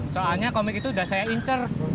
soalnya komik itu sudah saya incer